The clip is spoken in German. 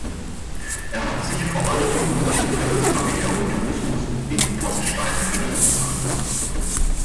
Er hat sich vor allem um den Fremdenverkehr und Tourismus in Pottenstein verdient gemacht.